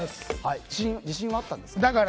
自信はあったんですか？